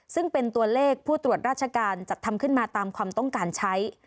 ซึ่งเป็นตัวเลขผู้ตรวจราชการจัดทำขึ้นมาตามความต้องการใช้